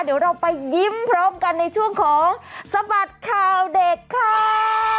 เดี๋ยวเราไปยิ้มพร้อมกันในช่วงของสบัดข่าวเด็กค่ะ